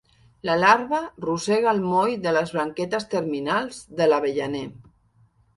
La larva rosega el moll de les branquetes terminals de l'avellaner.